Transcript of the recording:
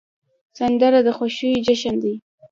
سندره د خوښیو جشن دی